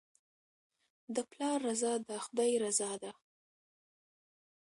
د پلار رضا د خدای رضا ده.